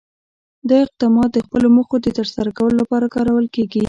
دا اقدامات د خپلو موخو د ترسره کولو لپاره کارول کېږي.